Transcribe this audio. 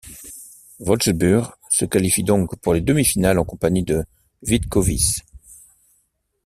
Wolfsburg se qualifie donc pour les demi-finales en compagnie de Vítkovice.